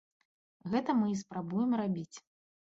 Гэта мы і спрабуем рабіць.